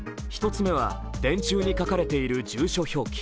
１つ目は電柱に書かれている住所表記。